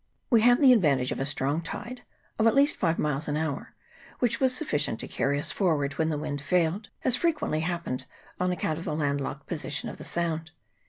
We had the advantage of a strong tide, of at least five miles an hour, which was sufficient to carry us forward when the wind failed, as frequently hap pened on account of the landlocked position of the Sound.